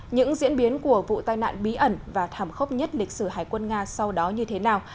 những diễn biến của vụ tai nạn bí ẩn và thảm khốc nhất lịch sử hải quân nga sau đó như thế nào